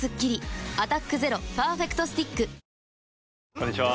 こんにちは。